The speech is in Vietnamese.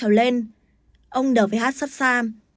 ông n v h sắp xa